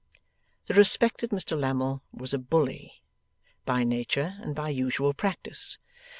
The respected Mr Lammle was a bully, by nature and by usual practice.